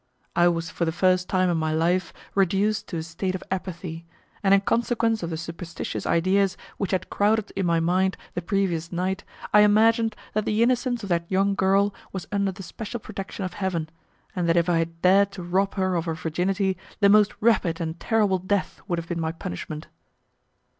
I was for the first time in my life reduced to a state of apathy, and in consequence of the superstitious ideas which had crowded in my mind the previous night I imagined that the innocence of that young girl was under the special protection of Heaven, and that if I had dared to rob her of her virginity the most rapid and terrible death would have been my punishment.